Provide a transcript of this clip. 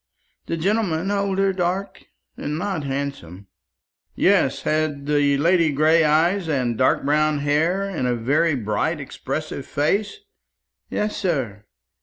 The gentleman older, dark, and not handsome." "Yes. Has the lady gray eyes, and dark brown hair, and a very bright expressive face?" "Yes, sir."